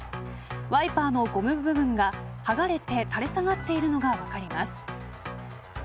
ワイパーのゴム部分が剥がれて、垂れ下がっているのが分かります。